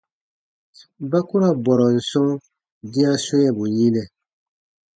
Ba ku ra bɔrɔn sɔ̃ dĩa swɛ̃ɛbu yinɛ.